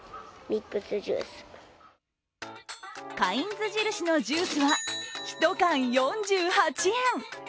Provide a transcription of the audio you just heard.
カインズ印のジュースはひと缶４８円。